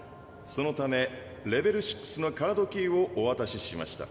そのためレベル６のカードキーをおわたししました。